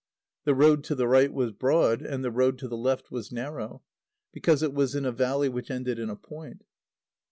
The road to the right was broad, and the road to the left was narrow, because it was in a valley which ended in a point.